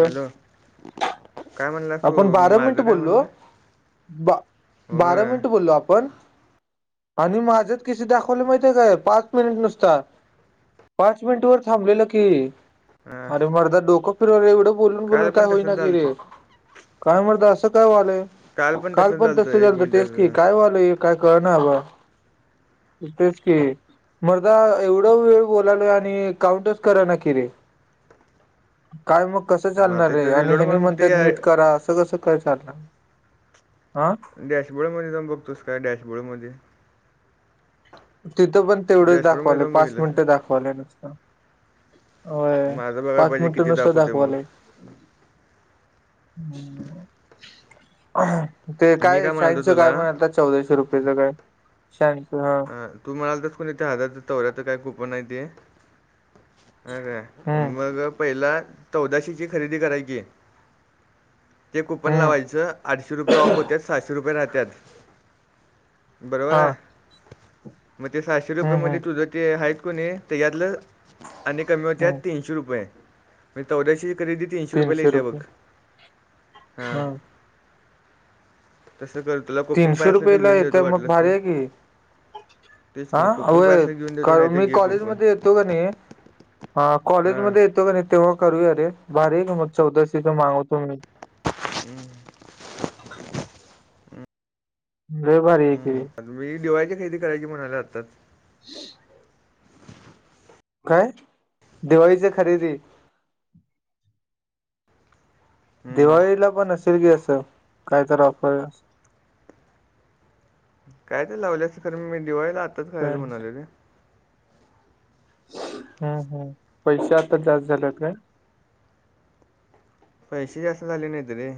Hello! काय म्हणलास तू आपण बारा मिनिट माझं काय बोललो म्हणलं बा बारा होय मिनिट बोललो आपण. आणि माझ्यात किसे दाखवले माहितीे काय पाच मिनिट नुसता. पाच मिनिट वर थांबलेलं की हा अरे मरदा डोकं फिरवला एवढं बोलून काल बोलून काय पण होईना तसंच की रे. झालतं काय मरदा असं काय वालंय, काल तसंच पण झालतं तस एक झालत तेच की मिनटाचं काय वालंय. काय कळना बाबा. तेच की. मरदा एवढं वेळ बोलाल आणि काउंटच करा न की रे! काय मग कसं मग चालणार आता रे इथं आणि रिलोड हेनि मारून ते म्हणतात नीट करा असं कस काय चाललं हं. डॅशबोर्ड मध्ये जाऊन बघतोस का डॅशबोर्ड मध्ये. तिथं पण तेवढंच डॅशबोर्डमध्ये दाखवालं जाऊन पाच बघितलंस मिनिटं का दाखवाले नुसता. होय माझं बघायला पाच पाहिजे मिनिट किती नुसत दाखवते दाखवालय. मग हम ते मी काय म्हणालतो सायन्सच तुला काय म्हणालतास? चौदाशे रुपयेच काय श ह ह तु म्हणाल तरच कोणी त्या हजार तोऱ्या काही कुपन नाही ते ह काय. हम्म मग पहिला चौदाशीेची खरेदी करायची. ते कूपन हम्म लावायचं आठशे रुपये ऑफ होत्यात, सहाशे रुपये राहत्यात. बरोबर हा आहे. मग ते साहशे रुपये हम्म मध्ये हम्म तुझं ते आहेत कोणी त्याच्यातलं आणि कमी होत्या हम्म तीनशे रुपये मी चौदा्याशे खरेदी तीनशे रुपयेला येत्या बघ हां. हा तसं कर तुला कुपन पाय तीनशे असलं तर रुपयेला घेऊन देतो येतं मग वाटलंस भारी तर आहे की. तेच हा की कुपन पाय असलं घेऊन देतो अ नाही ते मी घे कॉलेज कुपन मध्ये येतो का नाही. ह हां कॉलेजमध्ये येतो का नाही तेव्हा करूया रे! बारीक मग चौदाशी मागवतो मी. हम्म. लय भारी. हम्म. की मी दिवाळीची खरेडी करायची म्हणाले आताच. [inaudible] काय?.. दिवाळीची खरेदी. हम्म. दिवाळीला पण असेल की, असं कायतर ऑफर. कायतर लावल्या असं खरं मी दिवाळीला आताच करायचं म्हणालोय रे. हं.. हं... पैशे आता जास्त झाल्यात काय? पैशे जास्त झाली नाहीत रे.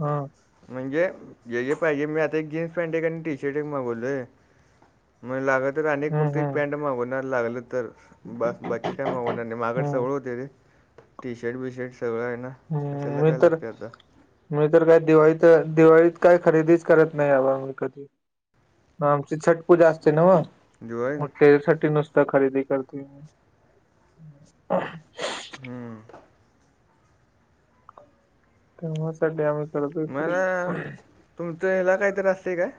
हं... म्हणजे जे, जे पाहिजे मी आता एक जीन्स पॅन्ट एक आणि टी शर्ट एक मागवलोय. मग लागलं तर अनेक फक्त हम्म एक हम्म पॅन्ट मागवणार लागलं तर बास बाकी काय मागवणार नाही माझ्याकडं हम्म सगळं होतंय रे टी शर्ट, बीशर्ट सगळं आहे ना. कशाला मी काय तर, लागते आता मी काय दिवाळीत, दिवाळीत काय खरेदी करत नाही बाबा आम्ही कधी, आमची छट पूजा असतंय नव्हं. दिवाळी मग तेजासाठी नुसता करतोय मी. हूं... तेवा साड्या आमसत फरी मला तुमचं हयाला काहीतरी असतयं काय?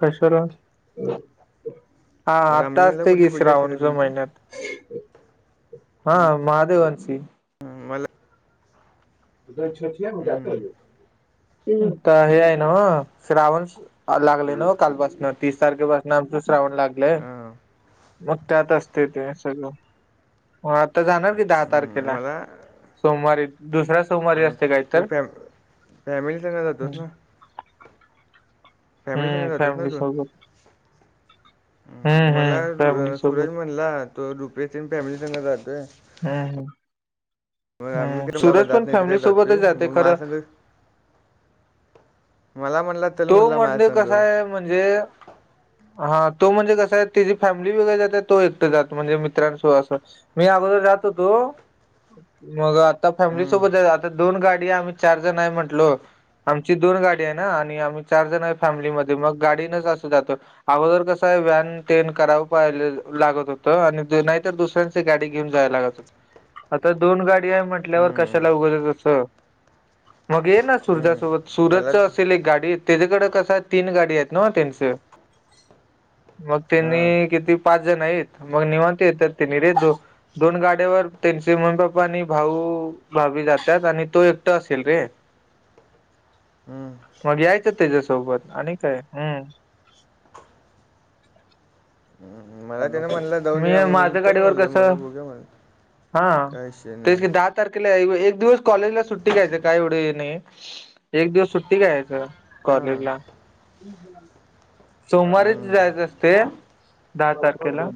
कश रात, हा आप- आत्ता रामलिंगला असतयं कुठली की पूजा असते श्रावण का तुमची महिन्यात. हं, हा महादेव वंशी ह मला [unintelligible] हं, आता हे हाय नव्हं श्रावण लागलंय नव कालपासनं तीस तारखेपासंन आमचं श्रावण लागलंय. हां, मग त्यात असतंय ते सगळं. हो आता जाणार की दहा हं, तारखेला, मला सोमवारी दुसऱ्या सोमवारी अं, अस तू फॅ फॅमिली सगं जातोस ना? फॅमिली संग हुं.. जातोस ना फॅमिली तू सोबत. हं, हम्म मला हम्म फॅमिली सोबत सूरज म्हणला तो रुपेश तेन फॅमिली सगं जातोय. हं.. हं.. होय आम्ही घरला जात नाही तर फॅमिली काय सोबतच जातोय जाते मग खरं माझ्या सगं मला म्हणला. तो मरणे संग कसा आहे म्हणजे, हा तो म्हणजे कसं आहे तेजी फॅमिली वेगळी जात्या तो एकटं जातो म्हणजे मित्रांसोबत असं. मी अगोदर जात होतो मग आ आता फॅमिली हम्म सोबत आता दोन गाडी, आम्ही चार जण आहे म्हटलो, आमची दोन गाडी हाय ना आणि आमी चार जण आहे फॅमिलीमध्ये मग गाडीनंच असं जातो. अगोदर कसं आहे व्हॅन तेन करावं पाहिजे लागत होतं आणि नाहीतर दुसऱ्यांच गाडी घेऊन जाया लागत होतं, आता दोन गाडी आहे म्हटल्यावर हम्म कशाला उगचच असं मग ये ना सुरजासोबत हम्म मला सुरजच असेल एक गाडीत. तेजाकडं कसं तीन गाडी आहेत नव त्यंचं. मग हां त्यांनी किती पाच जण आहेत, मग निवांत येत्यात त्यांनी रे दो दोन गाड्यावर त्यांचे मम्मी-पप्पा आणि भाऊ -भाभी जात्यात आणि तो एकटा असेल रे. हम्म मग यायचं त्याच्यासोबत आणि काय. हूं.. हम्म. मला त्यानं म्हणला जाऊन मी या म्हणून माझ्या चल गाडीवर म्हणलं मला कसं, बघूया म्हणलं हा काय विषय तेच नाही की दहा तारखेला हाय व्हय एक दिवस कॉलेजला सुट्टी घ्यायचं काय एवढं हे नाही. एक दिवस सुट्टी घ्यायचं हां कॉलेजला. सोमवारीच हम्म जायचं असतयं. दहा तारखेला...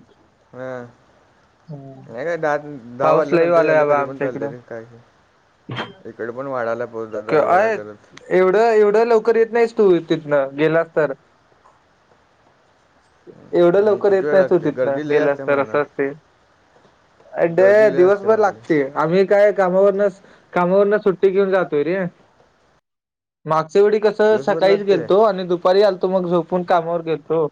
हूं.. नही नहीं दहा दहा वाजल्यानंतर यायलं तरी पण आमच्या चालतय रे काय नइ इकड पण वाढाला क आहेत एवढं एवढं लवकर येत नहीस तू तिथनं गेला तर! एवढं मग लवकर किती येत वेळ नाही तू लागते तिथंन गर्दी लय गेलास असते तर म्हणा असं असते. अडेळ्या गर्दी लय असते दिवसभर म्हणले लागतेय आम्ही काय, कामावरनसं कामावरन सुट्टी घेऊन जातोय रे! मागच्या वेडी कसं दिवसभर सकाळीच लागते गेलतो, आणि दुपारी आलतो मग झोपून कामावर गेलतो.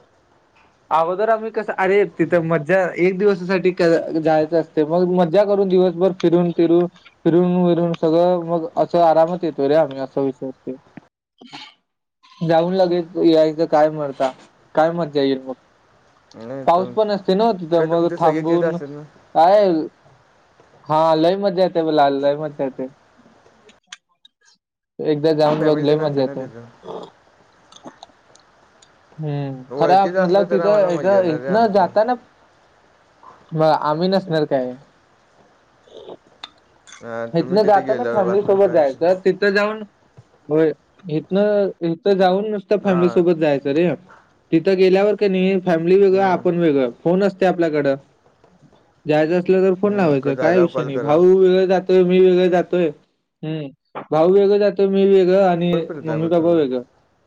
अगोदर आम्ही कसं, अरे तिथं मज्जा एक दिवसासाठी काय जायचं अस ते मग मज्जा करून दिवसभर, फिरून फिरून, फिरून वीरून सगळं मग असं आरामात येतोय रे आम्ही असा विचारतोय. जाऊन लगेच यायचं काय मर्दा, काय मज्जा येईल मग? नाही पाऊस तुम पण असते ना तिथं, काय मग तुमचे सगळेच येत थांबून. असतात ना काय हा लई मज्जा येत्या ब लाल मज्जा येते. एकदा जाऊन बघ फॅमिली लय तेन असते मज्जा ना येते. तिथं हूं खरां ओळखीचं असलं म्हतलं तर आम्हाला तिथं मजा इथं येणार रे इथन आमची जाता ना म आम्ही नसणार काय? हां तुम्ही इथनं तिथे जाताना गेल्यावर फॅमिली बसणार सोबत काय विषय जायचं नाही ति थ जाऊन होय इथन इथं जाऊन नुसतं फॅमिली हां सोबत जाय यचे रे तिथं गेल्यावर कणी फॅमिली वेगळ, हं, आपण वेगळं, फोन असते आपल्याकडं. जायचं असलं तर फोन हं, क लावायचं काय झाल्यावर विषय कॉल नही करा भाऊ वे-वेळ जात मी वेगळ जातोय, हूं भाऊ वेगळं जातोय, मी वेगळं आ णि कोण फिरताय मम्मी मग पप्पा तुम्ही वेगंळ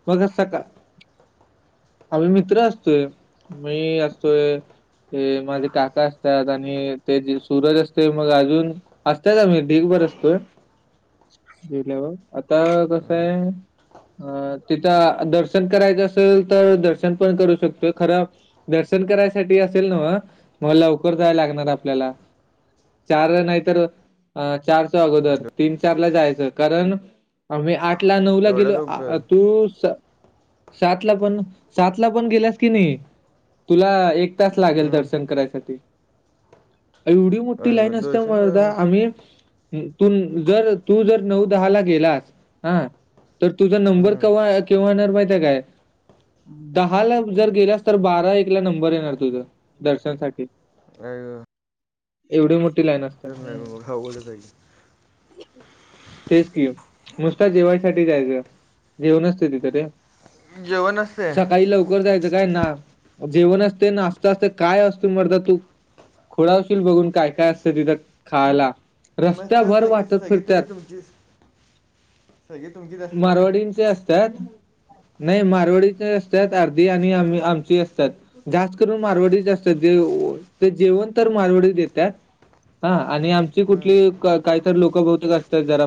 मग सका आम्ही मित्र असतोय, मी असतोय. ते माझे काका असत्यांत, आणि ते सूरज असतय मग अजून [unintelligible] बर असतोय गेल्यावर आता कस आहे. अ तिथं दर्शन करायचं असल, तर दर्शन पण करू शकतोय खरां. दर्शन करायसाठी असेल नव्ह म लवकर जायां लागणार आपल्याला. चार ला नाही तर? अ चार च्या अगोदर, तीन चार ला जायचं कारण आम्ही आठ आठ ला नऊ द- ला एवढ्या गेलो लवकर आ तू सं सात ला पण सात ला पण गेल्यास की णी तुला एक तास लागेल हं, दर्शन करायसाठी, एवढी मो टी अय लाईन गं, असत्यां दर्शन करा मर्दा मग आम्ही तू जर तू जर नऊ दहाला गेलास हा तर तुझा नंबर हं, कवा-केव्हा येणार माहिती आहे काय? दहा ला जर गेलास, तर बारा एकला नंबर येणार तुझा दर्शनसाठी [unintelligible] एवढी मोठी लाईन अस हो अवघडच आहे की. तेच की नुसता जेवायसाठी जायचं. जेवण असत तिथ रे की. जेवण असते सकाळी लव कर जायचं काय, नां जेवण असतय नाश्ता असतय काय असतय मर्दा तू. खुऴा होशील बघून काय काय असतं तिथं खायला रस्त्या भर वाट सगतगी तुमचीच, सगळी तुमचीच असतील ना. तुमचे असत्यांत नही मारवडीचे असत्यांत अर्धी आणि आमी-आमची असत्यांत. जास्त करून मारवाडीच असत्यांत देव ते जेवण तर मारवाडी देत्यांत. हा आणि आमची हं, कुठली कं काय आमदार लोक बहुतेक असतात जरा,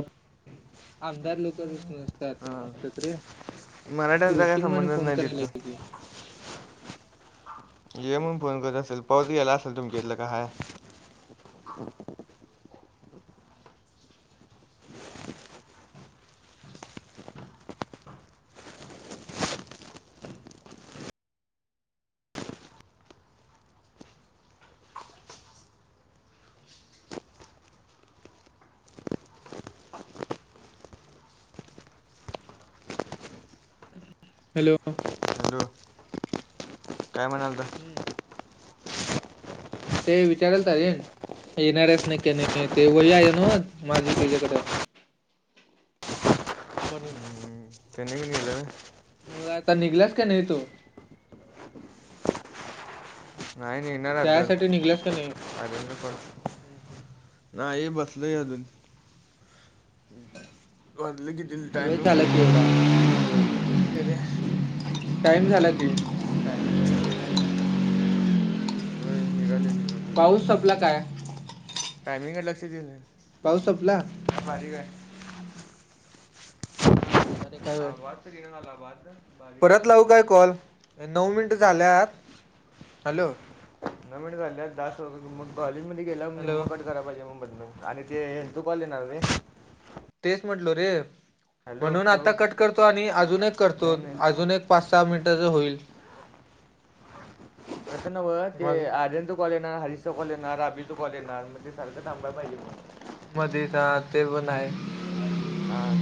आमदार लोक नसतात हां असतात रे. मराठ्यांचा काय कृषी म्हणे संबंधच फोन नाही तिथं. करायला की ये मग फोन कर असेल पाऊस गेला असेल तुमच्या इथलं काय हाय? [inaudible] हॅलो. हॅलो काय म्हणाल तर हे ते विचारेल तारे येणारस नाही की नाही ते वही आहे नोट माझी तिज्याकडे. म्हणून त्यांनी येऊन गेलं? मग आता निघलास का नाही तू? नाही नाही निघणार. जायसाठी निघलास का नाही? पण नाही बसलोय अजून. वाजले किती? वेळ टायमिंग झाला की बाबा,. [unintelligible] [inaudible] टाईम झाला की. टायमिंग बघितलाच नाही ना. निघालेली पाऊस सपला काय? टायमिंगकड लक्ष दिलं नही. पाऊस संपला [inaudible] काय भाजी काय? बरे काय हा वेळ वाद तरी ना ना वाध परत लावू काय कॉल? नऊ मिनटं झाल्या आहात. हॅलो नऊ मिनट झाल्यात. दास मग कॉलेजमध्ये गेला मग हॅलो कट झाला पाहिजे मग बदम आणि ते ये [unintelligible] येणार ते तेच म्हटलो रे. हॅलो म्हणून हॅलो आता कट करतो, आणि अजून एक नाही करतो नाही अजून एक. पाच सहा मिनिटाचं होईल. तसं नव्ह ते मग आर्यनचं कॉल येणार, हरीशचचा कॉल येणार अभीचा कॉल येणार मग ते सारखं थांबाय पाहिजे मग. मध्ये का ते पण आहेच. आज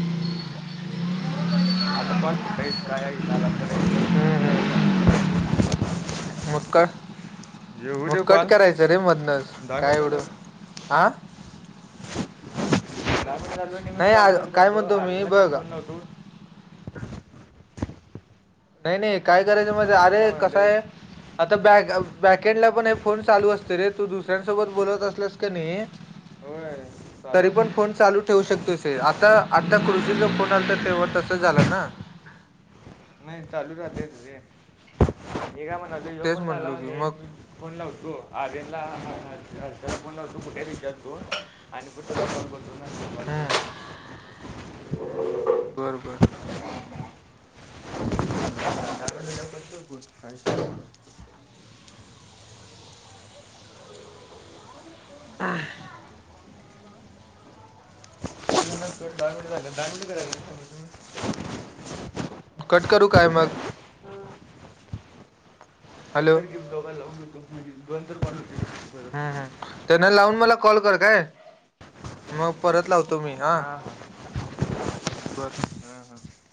आता कॉल कुठं आहेत, काय आहे हित आलंय हम्म प्रत्येकाचे कॉल हम्म येऊन जातील. मग काय? मग कट कॉल करायचं रे मधनच, दहा काय मिनिट झालं एवढं? आं दहा मिनिटं झालो आणि मी कॉल कट करतो, मी आर्यनला याच्यावरून बघ फोन लावतो. नाही नाही काय करायचं माहिती काय अरे म्हणाले कसं ऐक आहे आता बॅक बॅकंड ला पण हे फोन चालू असते रे तू, दुसऱ्यांसोबत बोलत असलास का नाही. होय चालू तरी पण असते फोन चालू ठेऊ शकतोयस रे, आता-आता कृषीचा फोन आलता, तेव्हा तसं झालं ना. नाही चालू राहते रे, तझ हे का म्हणात यो तेच पण झाला म्हटलो की मग म्ह फोन लावतो आर्यनला, हम्म मं हर्षला फोन लावतो कुठे विचारतो. - आणि कुठं [unintelligible] हम्म हम्म हम्म बर बर. [unintelligible] हां. दडांड झा दांडी करा कट करू काय मग? हॅलो कटकर गिफ दोबायला लावून होतो म्हे हम्म हम्म त्यांना लावून मला कॉल कर काय? मग परत लावतो मी हा हां बर. हा हा-